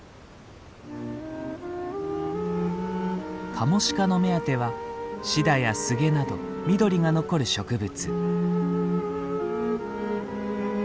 カモシカの目当てはシダやスゲなど緑が残る植物。